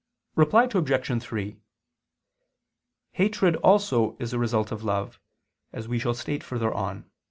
Reply Obj. 3: Hatred also is a result of love, as we shall state further on (Q.